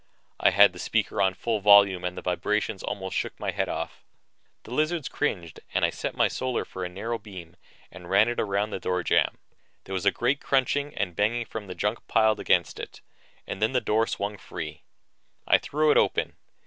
I had the speaker on full volume and the vibration almost shook my head off. The lizards cringed and I set my Solar for a narrow beam and ran it around the door jamb. There was a great crunching and banging from the junk piled against it, and then the door swung free. I threw it open.